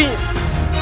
kemana ia pergi